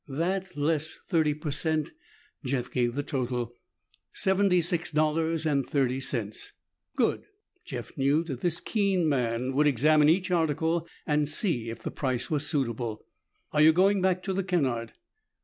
That less thirty per cent. Jeff gave the total, "Seventy six dollars and thirty cents." "Good!" Jeff knew that this keen man would examine each article and see if the price was suitable. "Are you going back to the Kennard?"